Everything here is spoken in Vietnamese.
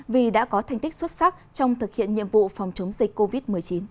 vì đã có thành tích xuất sắc trong thực hiện nhiệm vụ phòng chống dịch covid một mươi chín